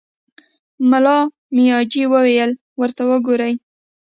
ملا مياجي وويل: ورته وګورئ!